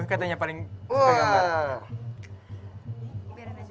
katanya paling suka gambar